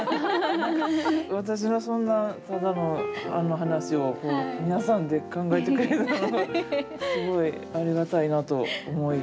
私のそんなただの話をこう皆さんで考えてくれたのがすごいありがたいなと思い。